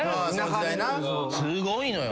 すごいのよ。